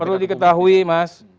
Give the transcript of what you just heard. perlu diketahui mas